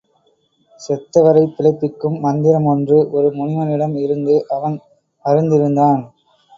செத்தவரைப் பிழைப்பிக்கும் மந்திரம் ஒன்று ஒரு முனிவனிடம் இருந்து அவன் அறிந்திருந்தான்.